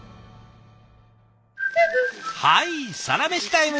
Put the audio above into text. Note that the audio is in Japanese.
はいサラメシタイム！